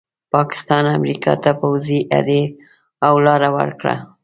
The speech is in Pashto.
پاکستان امریکا ته پوځي هډې او لاره ورکړه.